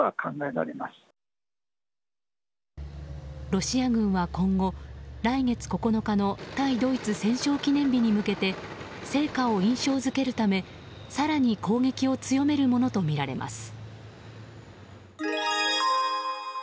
ロシア軍は今後、来月９日の対ドイツ戦勝記念日に向けて成果を印象付けるため更に攻撃を強めるものとみられます。